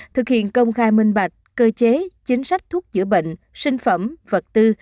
thực hiện công khai minh bạch cơ chế chính sách thuốc chữa bệnh sinh phẩm vật tư